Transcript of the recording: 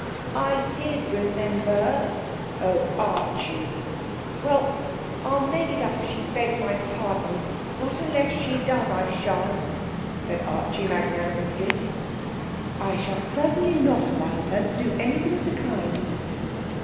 'I did remember...' 'Oh, Archie!' 'Well, I'll make it up if she begs my pardon; not unless she does I sha'n't,' said Archie magnanimously. 'I shall certainly not allow her to do anything of the kind.'